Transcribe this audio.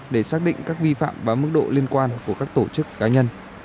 để xác định các vi phạm và mức độ liên quan của các tổ chức cá nhân